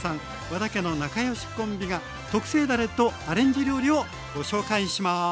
和田家の仲良しコンビが特製だれとアレンジ料理をご紹介します。